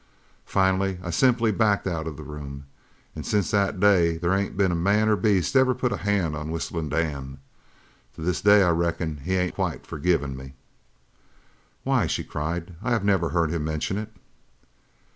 Finally I simply backed out of the room, an' since that day there ain't been man or beast ever has put a hand on Whistlin' Dan. To this day I reckon he ain't quite forgiven me." "Why!" she cried, "I have never heard him mention it!"